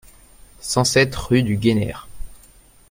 cent sept route du Gueynaire